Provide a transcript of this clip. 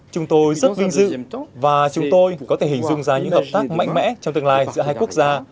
chúng tôi rất vinh dự và chúng tôi có thể hình dung ra những hợp tác mạnh mẽ trong tương lai giữa hai quốc gia